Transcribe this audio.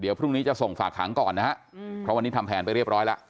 เดี๋ยวพรุ่งนี้จะส่งฝากหางก่อนนะฮะเพราะวันนี้ทำแผนไปเรียบร้อยแล้ว